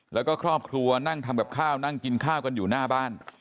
แล้วก็ครอบครัวนั่งทำกับข้าวนั่งกินข้าวกันอยู่หน้าบ้าน